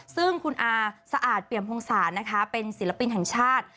ซึ่งคุณอาสะอาดเปี่ยมพงศาลนะคะเป็นศิลปินแห่งชาติ